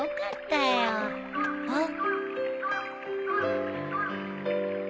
あっ。